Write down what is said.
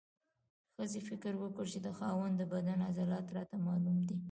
ښځې فکر وکړ چې د خاوند د بدن عضلات راته معلوم دي.